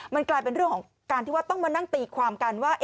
มันกลายเป็นเรื่องของการที่ว่าต้องมานั่งตีความกันว่า